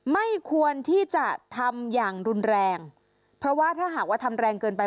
ไม่ควรที่จะทำอย่างรุนแรงเพราะว่าถ้าหากว่าทำแรงเกินไป